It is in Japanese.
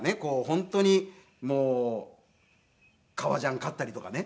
本当にもう革ジャン買ったりとかね。